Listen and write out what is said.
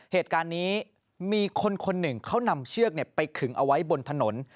เหตุการณ์นี้มีคนคนหนึ่งเขานำเชือกไปขึงเอาไว้บนถนน